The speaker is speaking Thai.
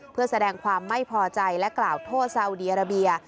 เพื่อแสดงความไม่พอใจและกล่าวโทษซาวดีอาราเบีย